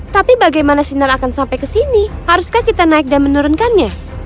tapi bagaimana sinar akan sampai ke sini haruskah kita naik dan menurunkannya